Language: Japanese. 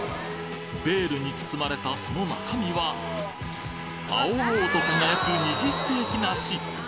ベールに包まれたその中身は青々と輝く二十世紀梨！